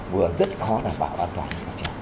vừa rất khó đảm bảo an toàn